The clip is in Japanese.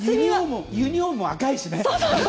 ユニホームも赤いしね。